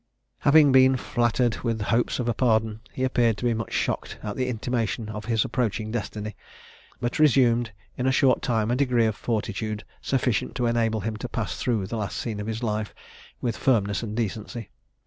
Having been flattered with the hopes of a pardon, he appeared to be much shocked at the intimation of his approaching destiny; but resumed in a short time a degree of fortitude sufficient to enable him to pass through the last scene of his life with firmness and decency.